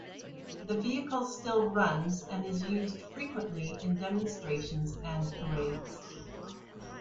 The vehicle still runs and is used frequently in demonstrations and parades.